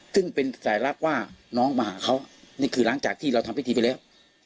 ซึ่งเป็นสายลับว่าน้องมาหาเขานี่คือหลังจากที่เราทำพิธีไปแล้ว